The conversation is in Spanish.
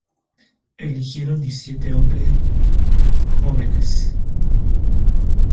Eligieron diecisiete hombre jóvenes.